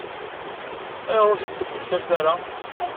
Ayɣer ur t-id-temmektamt ara?